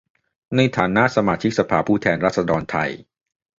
ในฐานะสมาชิกสภาผู้แทนราษฎรไทย